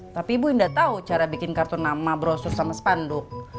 tapi ibu nggak tau cara bikin kartu nama brosur sama spanduk